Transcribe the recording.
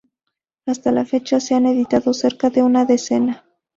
Hasta la fecha se han editado cerca de una decena.